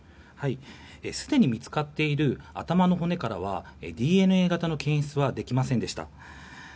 すでに見つかっている頭の骨からはＤＮＡ型の検出はできませんでした。